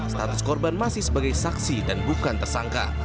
status korban masih sebagai saksi dan bukan tersangka